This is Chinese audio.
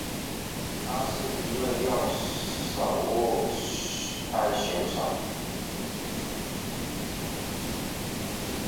他是一位右手握拍选手。